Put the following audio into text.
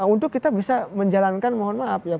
untuk kita bisa menjalankan mohon maaf ya